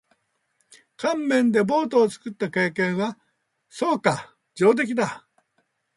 乾麺でボートを作った経験は？そうか。上出来だ。